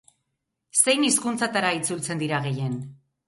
Zein hizkuntzatara itzultzen dira gehien?